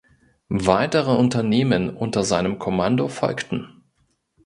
Weitere Unternehmen unter seinem Kommando folgten.